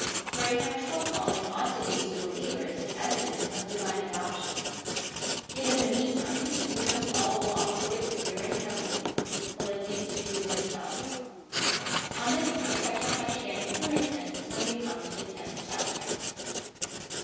For efiectual calling ought to be to believers an evidence of divine adoption ; yet in the meantime we must all walk luith fear and trembling (Phil, ii. 12.) On this point I shall touch ao ain to some extent when we come to the tenth chapter.